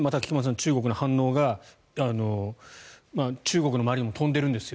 中国の反応が中国の周りにも飛んでいるんですよ